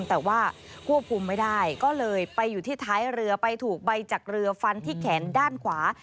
แต่ว่าควบคุมไม่ได้ก็เลยไปอยู่ที่ท้ายเรือไปถูกใบจากเรือฟันที่แขนด้านขวา